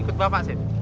ikut bapak said